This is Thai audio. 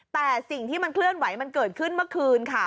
แต่สิ่งที่มันเคลื่อนไหวมันเกิดขึ้นเมื่อคืนค่ะ